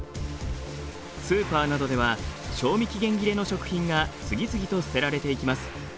スーパーなどでは賞味期限切れの食品が次々と捨てられていきます。